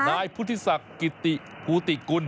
กายพุทธิสักภรรยากาศกุศิกร